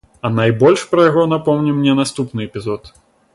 А найбольш пра яго напомніў мне наступны эпізод.